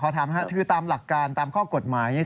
ขอถามค่ะตามหลักการตามข้อกฎหมาย